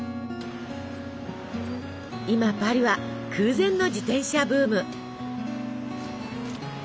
今パリは空前の自転車ブーム。